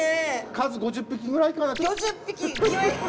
数５０匹ぐらいかな。